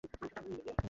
আমরা এটা করছি!